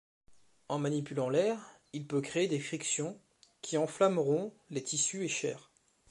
En manipulant l'air, il peut créer des frictions, qui enflammeront les tissus et chairs.